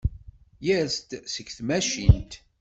Yers-d seg tmacint.